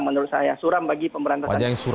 menurut saya suram bagi pemerintah